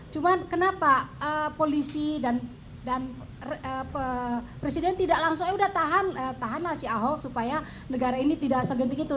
cuma kenapa polisi dan presiden tidak langsung ya udah tahan tahanlah si ahok supaya negara ini tidak segenting itu